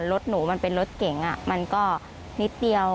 รถหนูมันเป็นรถเก๋งมันก็นิดเดียว